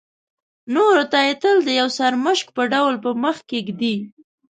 نورو ته یې تل د یو سرمشق په ډول په مخکې ږدي.